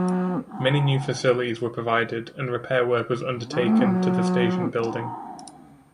Many new facilities were provided, and repair work was undertaken to the station building.